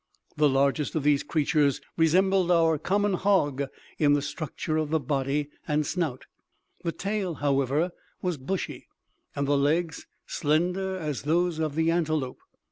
The largest of these creatures resembled our common hog in the structure of the body and snout; the tail, however, was bushy, and the legs slender as those of the antelope.